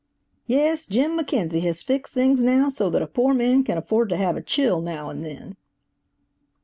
"Yes, Jim McKenzie has fixed things now so that a poor man can afford to have a chill now and then."